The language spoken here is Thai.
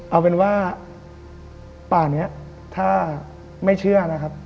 เอาเป็นว่าป่านี้ถ้าไม่เชื่อนะครับ